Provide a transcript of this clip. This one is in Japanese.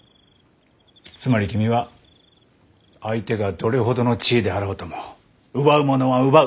つまり君は相手がどれほどの地位であろうとも奪うものは奪う。